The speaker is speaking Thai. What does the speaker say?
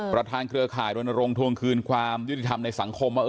ประธานเครือข่ายรนรงค์ทวงคืนความอะ